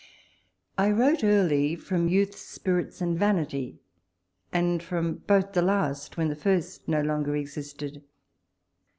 I wrote early from youth, spirits, and vanity ; and from both the last when the first no longer existed.